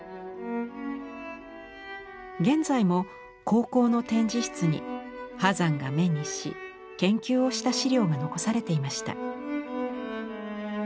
現在も高校の展示室に波山が目にし研究をした資料が残されていました。